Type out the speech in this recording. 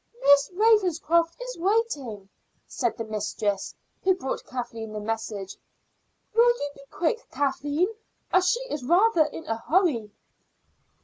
"Miss Ravenscroft is waiting," said the mistress who brought Kathleen the message. "Will you be quick, Kathleen, as she is rather in a hurry?"